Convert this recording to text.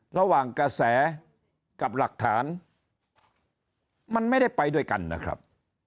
ระหว่างกระแสกับหลักฐานมันไม่ได้ไปด้วยกันนะครับ